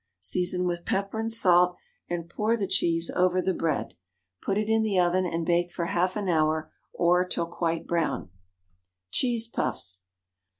Season with pepper and salt, and pour the cheese over the bread. Put it in the oven, and bake for half an hour, or till quite brown. _Cheese Puffs.